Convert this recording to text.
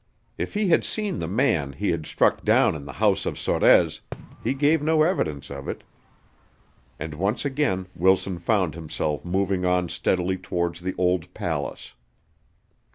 If he had seen the man he had struck down in the house of Sorez, he gave no evidence of it. And once again Wilson found himself moving on steadily towards the old palace.